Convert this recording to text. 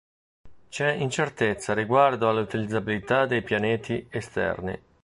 C'è incertezza riguardo all'utilizzabilità dei pianeti esterni.